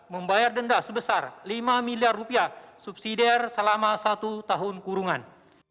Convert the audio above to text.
membayar denda sebesar lima miliar rupiah subsidiar selama satu tahun kurungan